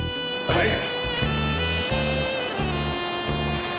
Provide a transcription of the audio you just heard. はい！